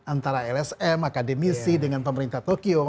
antara lsm akademisi dengan pemerintah tokyo